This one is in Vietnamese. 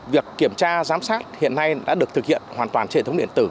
việc kiểm tra giám sát hiện nay đã được thực hiện hoàn toàn trên hệ thống điện tử